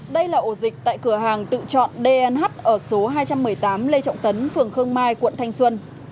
đây là ổ dịch tại cửa hàng tự chọn d nh ở số hai trăm một mươi tám lê trọng tấn phường khương mai quận thanh xuân